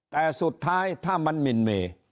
แต่สุดท้ายถ้ามันหมินเม